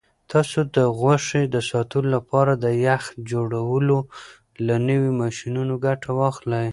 تاسو د غوښې د ساتلو لپاره د یخ جوړولو له نویو ماشینونو ګټه واخلئ.